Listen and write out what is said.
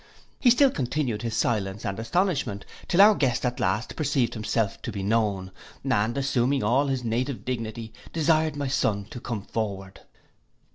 He still continued his silence and astonishment, till our guest at last perceived himself to be known, and assuming all his native dignity, desired my son to come forward.